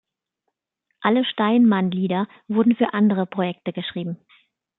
Alle Steinman-Lieder wurden für andere Projekte geschrieben.